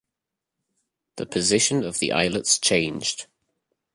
The position of the eyelets changed.